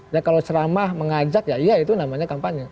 ya kalau ceramah mengajak ya iya itu namanya kampanye